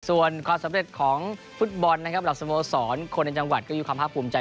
ส่วนความสำเร็จของฟุตบอลนะครับหลักสโมสรคนในจังหวัดก็มีความภาคภูมิใจ